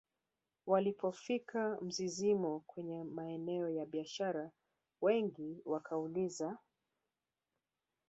walipofika Mzizima kwenye maeneo ya biashara wengi wakauliza